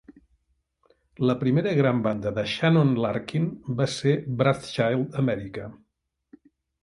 La primera gran banda de Shannon Larkin va ser Wrathchild America.